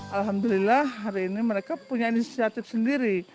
alhamdulillah hari ini mereka punya inisiatif sendiri